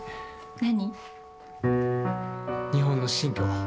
何？